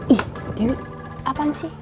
ih ini apaan sih